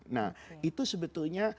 nah itu sebetulnya